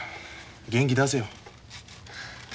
元気出せよ。